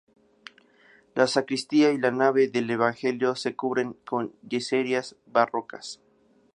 La sacristía y la nave del evangelio se cubren con yeserías barrocas.